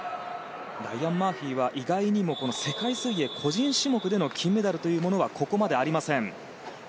ライアン・マーフィーは意外にも世界水泳個人種目での金メダルはここまでありません。